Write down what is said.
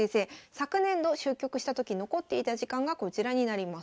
昨年度終局した時残っていた時間がこちらになります。